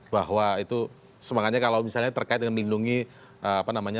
bahwa itu semangatnya kalau misalnya terkait dengan melindungi apa namanya